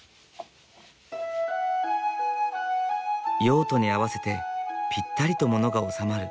用途に合わせてぴったりと物が収まる